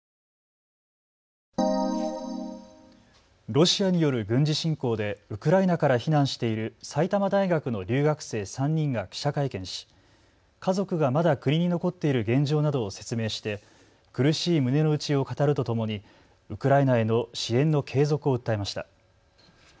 ロシアによる軍事侵攻でウクライナから避難している埼玉大学の留学生３人が記者会見し、家族がまだ国に残っている現状などを説明して苦しい胸の内を語るとともにウクライナへの支援の継続を訴えました。